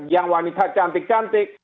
yang wanita cantik cantik